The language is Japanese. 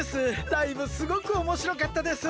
ライブすごくおもしろかったです。